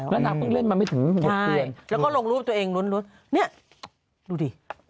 แล้วนางก็เล่นมาไม่ถึงหมดเปลี่ยนใช่แล้วก็ลงรูปตัวเองลุ้นเนี่ยดูดิ